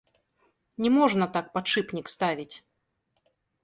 Не можна так падшыпнік ставіць.